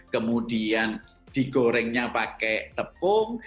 kemudian digorengnya pakai tepung